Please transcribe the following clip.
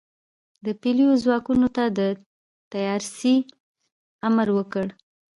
د پلیو ځواکونو ته د تیارسئ امر وکړ.